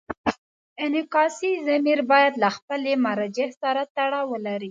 انعکاسي ضمیر باید له خپلې مرجع سره تړاو ولري.